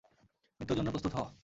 মৃত্যুর জন্য প্রস্তুত হ!